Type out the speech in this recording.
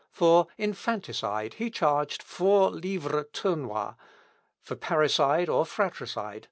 For infanticide he charged four livres tournois; for parricide or fratricide, a ducat.